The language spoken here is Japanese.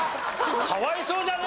かわいそうじゃね？